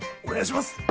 お願いします！